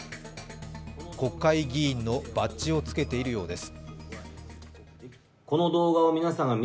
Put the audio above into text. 国会議員のバッジをつけているようです。